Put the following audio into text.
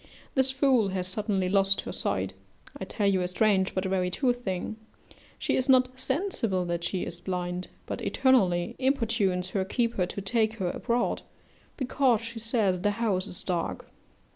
This fool has suddenly lost her sight: I tell you a strange, but a very true thing she is not sensible that she is blind, but eternally importunes her keeper to take her abroad, because she says the house is dark.